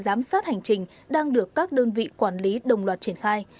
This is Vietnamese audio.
giám sát hành trình đang được các đơn vị quản lý đồng loạt triển khai